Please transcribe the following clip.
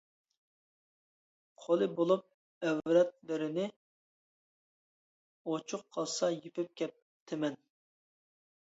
قولى بولۇپ ئەۋرەتلىرىنى، ئۇچۇق قالسا يېپىپ كەپتىمەن.